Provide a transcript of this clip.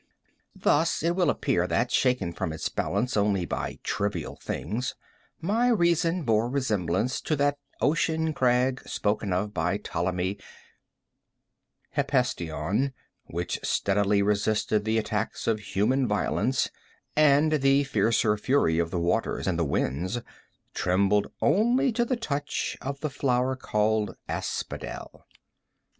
Thus it will appear that, shaken from its balance only by trivial things, my reason bore resemblance to that ocean crag spoken of by Ptolemy Hephestion, which steadily resisting the attacks of human violence, and the fiercer fury of the waters and the winds, trembled only to the touch of the flower called Asphodel.